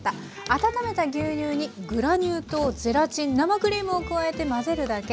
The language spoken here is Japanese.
温めた牛乳にグラニュー糖ゼラチン生クリームを加えて混ぜるだけ。